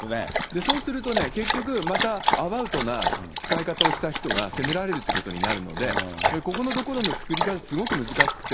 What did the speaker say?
そうするとね、結局、またアバウトな使い方をした人が責められるということになるので、ここのところの作り方、すごく難しくて。